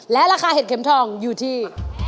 และราคาเห็ดเข็มทองอยู่ที่